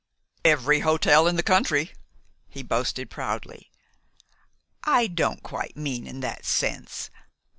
"Every hotel in the country," he boasted proudly. "I don't quite mean in that sense.